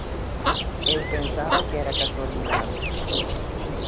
Eu pensaba que era casualidade.